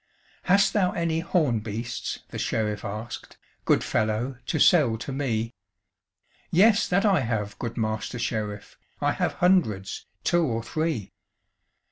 "Hast thou any horn beasts," the Sheriff asked, "Good fellow, to sell to me?" "Yes, that I have, good Master Sheriff, I have hundreds, two or three.